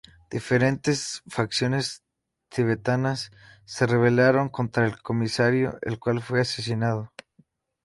Diferentes facciones tibetanas se rebelaron contra el comisionado, el cual fue asesinado.